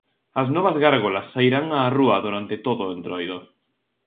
As novas gárgolas sairán á rúa durante todo o entroido.